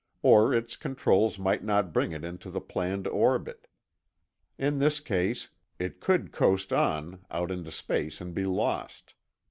Or its controls might not bring it into the planned orbit. In this case, it could coast on out into space and be lost.